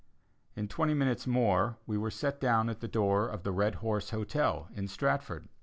In twenty minutes more we were set down at the door of the Red Horse Hotel, in Stratford.